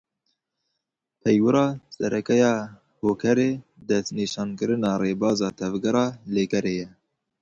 Peywira sereke ya hokerê destnîşankirina rêbaza tevgera lêkerê ye